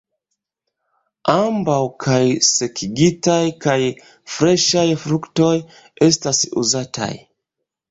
Ambaŭ, kaj sekigitaj kaj freŝaj fruktoj estas uzataj.